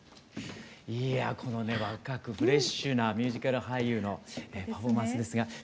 いやこのね若くフレッシュなミュージカル俳優のパフォーマンスですが。ですね。